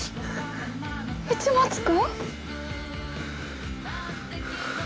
市松君？